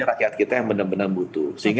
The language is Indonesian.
rakyat kita yang benar benar butuh sehingga